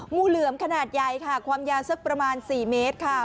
งูเหลือมขนาดใหญ่ค่ะความยาวสักประมาณ๔เมตรค่ะ